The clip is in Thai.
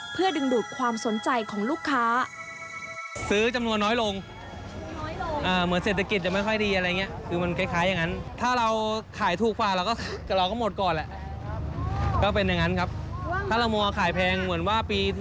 เพื่อดึงดูดความสนใจของลูกค้า